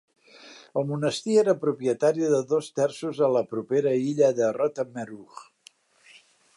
El monestir era propietari de dos terços de la propera illa de Rottumeroog.